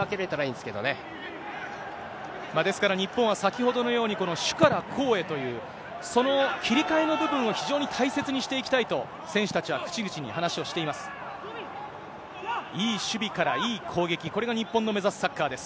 ですから日本は、先ほどのように、この守から攻へという、その切り替えの部分を非常に大切にしていきたいと、選手たちは口々に話をしています。